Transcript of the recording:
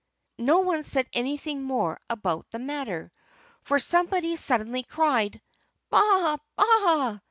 No one said anything more about the matter. For somebody suddenly cried, "_Baa! baa!